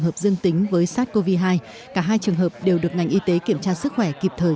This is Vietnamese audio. hợp dương tính với sars cov hai cả hai trường hợp đều được ngành y tế kiểm tra sức khỏe kịp thời